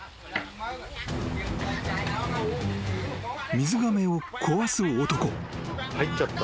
［水がめを壊す男］